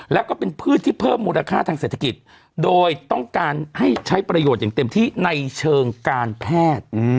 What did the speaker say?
แล้วก็เป็นพืชที่เพิ่มมูลค่าทางเศรษฐกิจโดยต้องการให้ใช้ประโยชน์อย่างเต็มที่ในเชิงการแพทย์